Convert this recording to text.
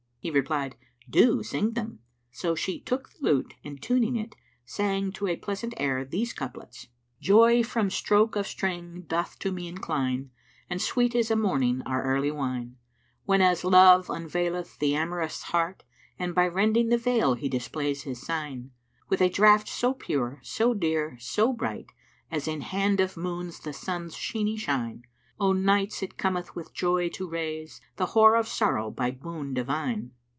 He replied, "Do sing them"; so she took the lute and tuning it, sang to a pleasant air these couplets, "Joy from stroke of string doth to me incline, * And sweet is a morning our early wine; Whenas Love unveileth the amourist's heart, * And by rending the veil he displays his sign, With a draught so pure, so dear, so bright, * As in hand of Moons[FN#338] the Sun's sheeny shine O' nights it cometh with joy to 'rase * The hoar of sorrow by boon divine."